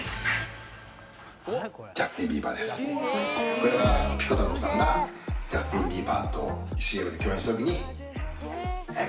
これがピコ太郎さんがジャスティン・ビーバーとＣМで共演した時に。